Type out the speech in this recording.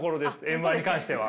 Ｍー１に関しては。